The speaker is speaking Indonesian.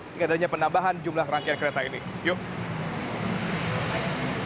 dengan adanya penambahan jumlah rangkaian kereta ini yuk